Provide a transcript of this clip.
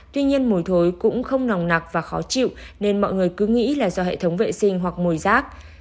tuy nhiên mùi thối cũng không nòng nạc và khó chịu nên mọi người cứ nghĩ là do hệ thống vệ sinh hoặc mùi rác